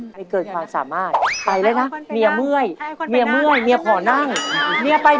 ใครเกิดความสามารถไปเลยนะ